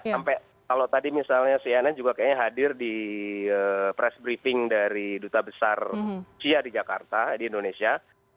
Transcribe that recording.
sampai kalau tadi misalnya cnn juga kayaknya hadir di press briefing dari duta besar rusia di jakarta di indonesia